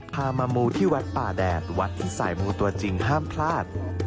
พามามูที่วัดป่าแดดวัดที่สายมูตัวจริงห้ามพลาด